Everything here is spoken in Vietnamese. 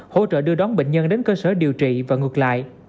hỗ trợ đưa đón bệnh nhân đến cơ sở điều trị và ngược lại